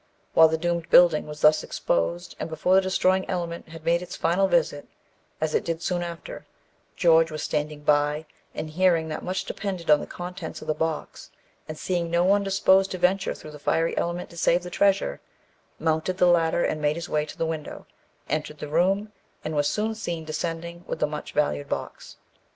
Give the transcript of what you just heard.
While the doomed building was thus exposed, and before the destroying element had made its final visit, as it did soon after, George was standing by, and hearing that much depended on the contents of the box, and seeing no one disposed to venture through the fiery element to save the treasure, mounted the ladder and made his way to the window, entered the room, and was soon seen descending with the much valued box.